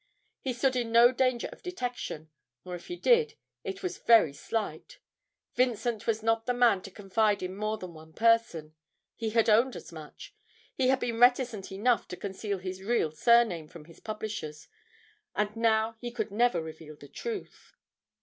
He stood in no danger of detection, or, if he did, it was very slight. Vincent was not the man to confide in more than one person; he had owned as much. He had been reticent enough to conceal his real surname from his publishers, and now he could never reveal the truth.